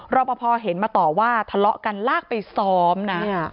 รอปภเห็นมาต่อว่าทะเลาะกันลากไปซ้อมนะ